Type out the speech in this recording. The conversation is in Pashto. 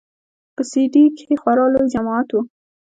په سي ډي کښې خورا لوى جماعت و.